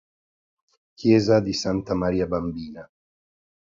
Chiesa di Santa Maria Bambina